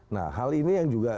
nah hal ini yang juga